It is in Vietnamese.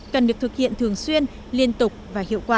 cần được thực hiện thường xuyên liên tục và hiệu quả